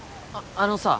あのさ